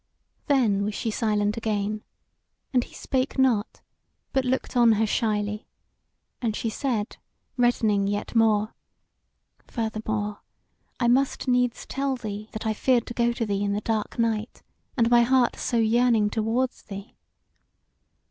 Then was she silent again; and he spake not, but looked on her shyly; and she said, reddening yet more: "Furthermore, I must needs tell thee that I feared to go to thee in the dark night, and my heart so yearning towards thee."